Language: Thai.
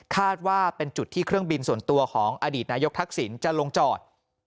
ว่าเป็นจุดที่เครื่องบินส่วนตัวของอดีตนายกทักษิณจะลงจอด